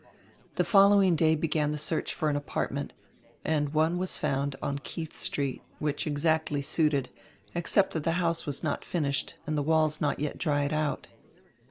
The following day began the search for an apartment, and one was found on Keidi street, which exacdy suited, except diat die house was not finished and die walls not yet dried out.